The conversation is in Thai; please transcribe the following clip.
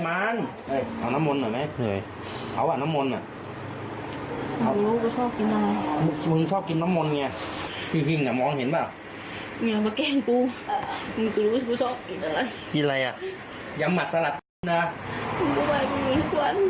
กินอะไรอ่ะย้ำหมัดสลัดน่ะมึงก็ไหวกูอยู่ทุกวันมึงไม่รู้ว่ากูชอบกินน้ำแดง